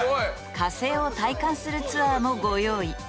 火星を体感するツアーもご用意。